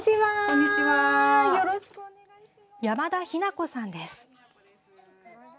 山田緋奈子さんです。